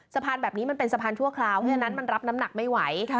สะพานแบบนี้มันเป็นสะพานฉะนั้นมันรับน้ำนักไม่ไหว